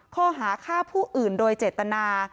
ข้อหาฆ่าผู้อื่นโดยเจตนา